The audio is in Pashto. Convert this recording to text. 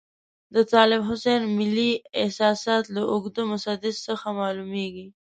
د طالب حسین ملي احساسات له اوږده مسدس څخه معلوميږي.